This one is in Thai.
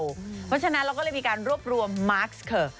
เพราะฉะนั้นเราก็เลยมีการรวบรวมมาร์คสเคอร์